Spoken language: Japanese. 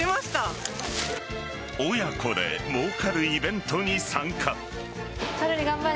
親子でもうかるイベントに参加。